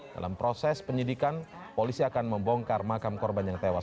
dalam proses penyidikan polisi akan membongkar makam korban yang tewas